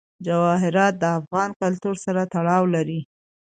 جواهرات د افغان کلتور سره تړاو لري.